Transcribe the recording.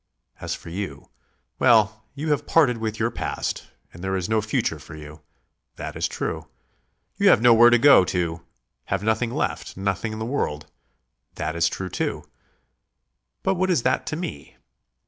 As for you. Well, you have parted with your past ... and there is no future for you. That is true. You have nowhere to go to; have nothing left, nothing in the world. That is true too. But what is that to me?